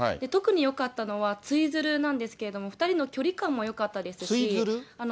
特によかったのは、ツイヅルなんですけども、２人の距離感もよかったですし。